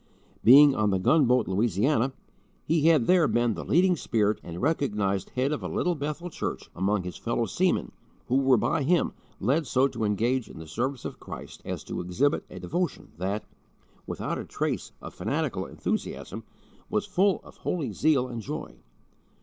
Being on the gunboat Louisiana, he had there been the leading spirit and recognized head of a little Bethel church among his fellow seamen, who were by him led so to engage in the service of Christ as to exhibit a devotion that, without a trace of fanatical enthusiasm, was full of holy zeal and joy.